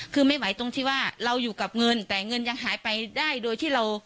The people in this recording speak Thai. คือไม่ไหวตรงที่ว่าเราอยู่กับเงินแต่เงินยังหายไปได้โดยที่เรา